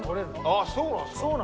ああそうなんですか。